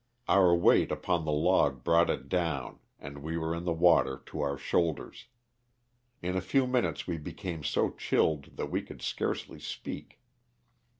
Our weight upon the log brought it down and we were in the water to our shoulders. In a few minutes we became so chilled that we could scarcely speak.